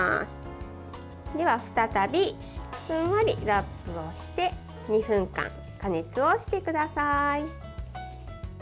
では再び、ふんわりラップをして２分間、加熱をしてください。